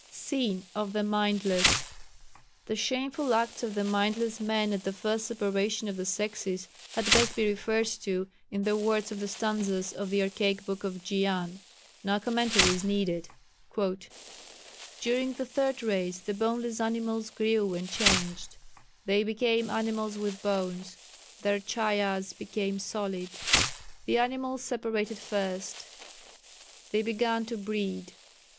[Sidenote: Sin of the Mindless.] The shameful acts of the mindless men at the first separation of the sexes had best be referred to in the words of the stanzas of the archaic Book of Dzyan. No commentary is needed. "During the Third Race the boneless animals grew and changed, they became animals with bones, their chayas became solid. "The animals separated first. They began to breed.